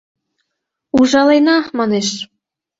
Ужалена, манеш.